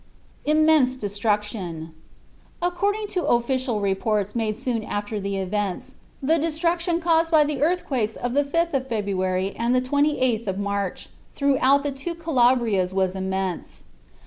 IMMENSE DESTRUCTION According to official reports made soon after the events, the destruction caused by the earthquakes of the 5th of February and 28th of March throughout the two Calabrias was immense.